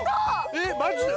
えっマジで？